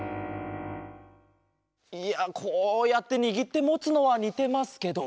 いやこうやってにぎってもつのはにてますけど